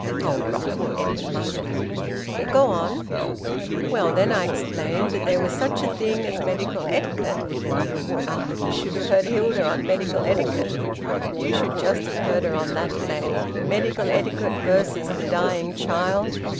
"Oh! Rot!" Edwin muttered. "Well, go on!" "Well, then I explained that there was such a thing as medical etiquette... Ah! you should have heard Hilda on medical etiquette. You should just have heard her on that lay medical etiquette versus the dying child.